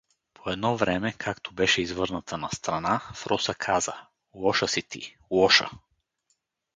По едно време, както беше извърната настрана, Фроса каза: — Лоша си ти, лоша.